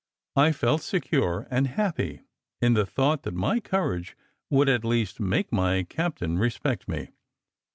I felt secure and happy in the thought that my courage would at least make my captain respect me.